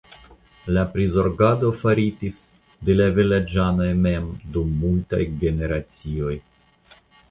La prizorgado faritis de la vilaĝanoj mem dum multaj generacioj.